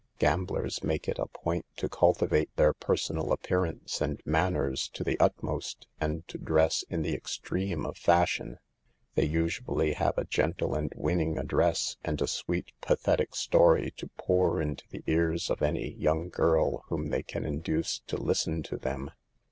Gamblers make it a point to cultivate their personal appearance and manners to the utmost and to dress in the extreme of fashion. They usually bave a gentle and winning address and a sweet pathetic story to pour into the ears of any young girl whom they can induce to listen to them.